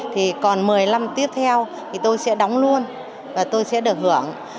thì còn một mươi năm tiếp theo thì tôi sẽ đóng luôn và tôi sẽ được hưởng